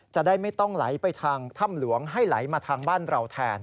จะได้ไม่ต้องไหลไปทางถ้ำหลวงให้ไหลมาทางบ้านเราแทน